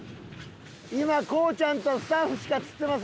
今コウちゃんとスタッフしか釣ってません。